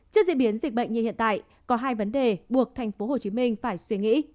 trước diễn biến dịch bệnh như hiện tại có hai vấn đề buộc tp hcm phải suy nghĩ